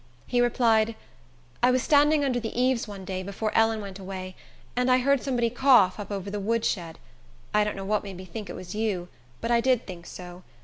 He replied, "I was standing under the eaves, one day, before Ellen went away, and I heard somebody cough up over the wood shed. I don't know what made me think it was you, but I did think so.